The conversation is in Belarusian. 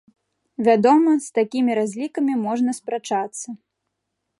Вядома, з такімі разлікамі можна спрачацца.